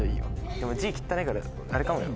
でも字汚いからあれかもよ。